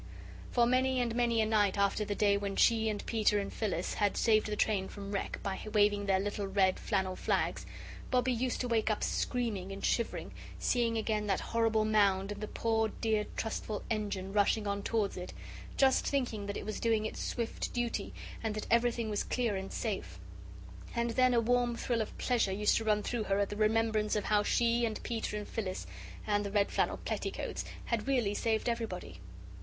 For many and many a night after the day when she and Peter and Phyllis had saved the train from wreck by waving their little red flannel flags, Bobbie used to wake screaming and shivering, seeing again that horrible mound, and the poor, dear trustful engine rushing on towards it just thinking that it was doing its swift duty, and that everything was clear and safe. And then a warm thrill of pleasure used to run through her at the remembrance of how she and Peter and Phyllis and the red flannel petticoats had really saved everybody.